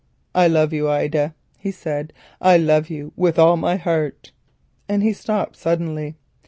"I love you, Ida," he said, "I love you with all my heart," and he stopped suddenly.